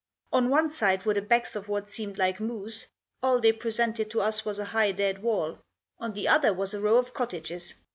On one side were the backs of what seemed like mews ; all they presented to us was a high dead wall. On the other was a row of cottages.